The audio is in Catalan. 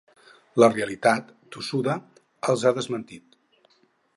La realitat, tossuda, els ha desmentit.